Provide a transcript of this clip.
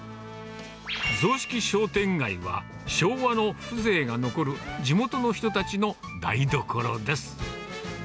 雑色商店街は、昭和の風情が残る、地元の人たちの台所です。